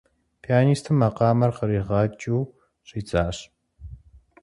Пианистым макъамэр къригъэкӀыу щӀидзащ.